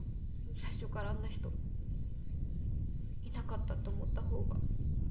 最初からあんな人いなかったと思った方が。